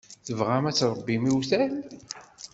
Tebɣam ad tṛebbim iwtal.